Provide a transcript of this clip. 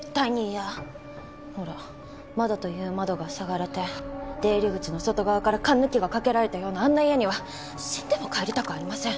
ほら窓という窓がふさがれて出入り口の外側からかんぬきがかけられたようなあんな家には死んでも帰りたくありません。